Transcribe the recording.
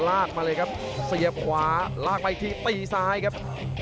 ลากมาเลยครับเสียบขวาลากไปอีกทีตีซ้ายครับ